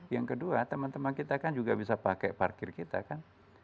yang kedua teman teman kita kan juga bisa pakai parkir kita kan